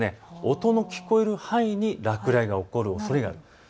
音の聞こえる範囲に落雷が起こるおそれがあります。